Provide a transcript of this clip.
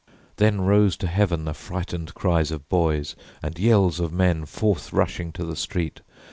Then rose to heaven The frightened cries of boys, and yells of men Forth rushing to the street.